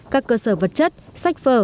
các cơ sở vật chất sách phở